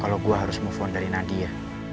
kalo gue harus nelfon dari nadia